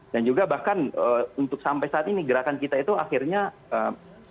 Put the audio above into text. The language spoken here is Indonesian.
dan juga bahkan untuk sampai saat ini gerakan kita itu akhirnya di kalimantan